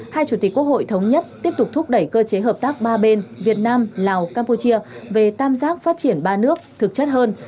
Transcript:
hai chủ tịch quốc hội thống nhất tiếp tục thúc đẩy cơ chế hợp tác ba bên việt nam lào campuchia về tam giác phát triển ba nước thực chất hơn